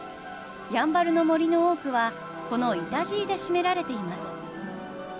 やんばるの森の多くはこのイタジイで占められています。